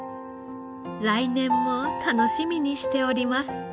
「来年も楽しみにしております」